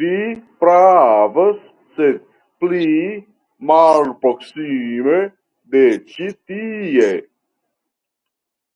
Vi pravas; sed pli malproksime de ĉi tie?